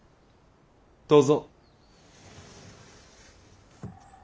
どうぞ。